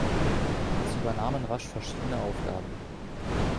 Sie übernahmen rasch verschiedene Aufgaben.